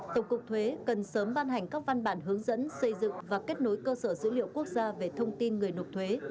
tổng cục thuế cần sớm ban hành các văn bản hướng dẫn xây dựng và kết nối cơ sở dữ liệu quốc gia về thông tin người nộp thuế